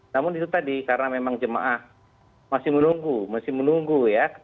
namun itu tadi karena memang jemaah masih menunggu masih menunggu ya